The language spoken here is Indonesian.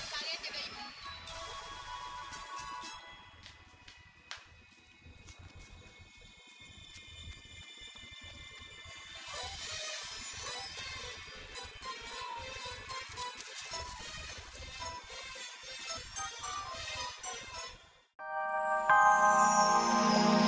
kalian jaga ini